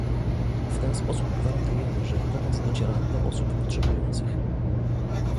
W ten sposób gwarantujemy, że pomoc dociera do osób potrzebujących